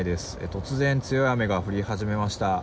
突然、強い雨が降り始めました。